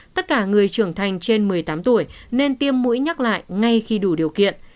tất cả người trưởng thành trên một mươi tám tuổi nên tiêm mũi nhắc lại ngay khi đủ điều kiện